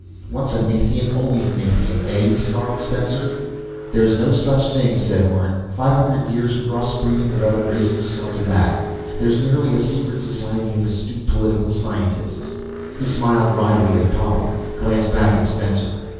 "Once a Nathian, always a Nathian, eh?" snarled Spencer. "There's no such thing," said Orne. "Five hundred years' cross breeding with other races saw to that. There's merely a secret society of astute political scientists." He smiled wryly at Polly, glanced back at Spencer.